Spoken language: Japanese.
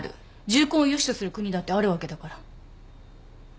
重婚を良しとする国だってあるわけだから。